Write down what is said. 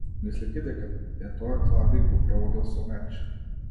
Мислејќи дека е тоа Клавдиј, го прободел со меч.